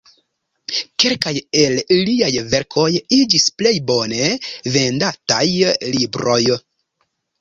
Kelkaj el liaj verkoj iĝis plej bone vendataj libroj.